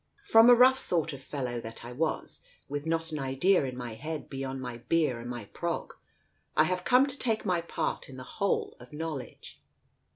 From a rough sort of fellow that I was, with not an idea in my head beyond my beer and my prog, I have come to take my part in the whole of knowledge.